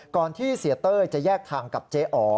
ที่เสียเต้ยจะแยกทางกับเจ๊อ๋อ